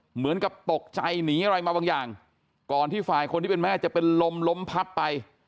เหมือนกับตกใจหนีอะไรมาบางอย่างก่อนที่ฝ่ายคนที่เป็นแม่จะเป็นลมล้มพับไป